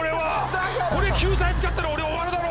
これ救済使ったら俺終わるだろ！